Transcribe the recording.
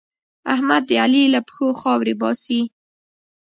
احمد د علي له پښو خاورې باسي.